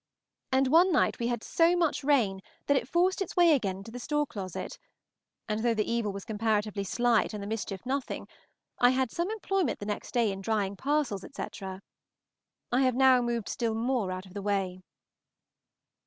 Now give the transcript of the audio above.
And one night we had so much rain that it forced its way again into the store closet; and though the evil was comparatively slight and the mischief nothing, I had some employment the next day in drying parcels, etc. I have now moved still more out of the way.